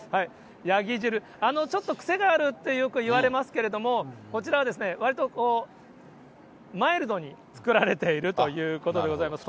ヤギ汁、ちょっと癖があるってよくいわれますけど、こちらはわりとマイルドに作られているということでございます。